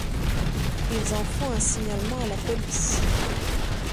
Ils en font un signalement à la police.